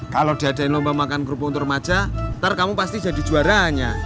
kalau diadain lomba makan kerupuk untuk remaja ntar kamu pasti jadi juaranya